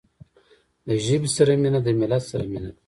له ژبې سره مینه د ملت سره مینه ده.